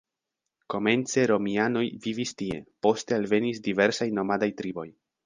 Komence romianoj vivis tie, poste alvenis diversaj nomadaj triboj.